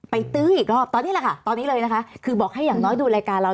ตื้ออีกรอบตอนนี้แหละค่ะตอนนี้เลยนะคะคือบอกให้อย่างน้อยดูรายการเรา